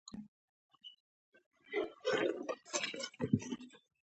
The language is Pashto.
او خپلې ستونزې تاسو ته ووايي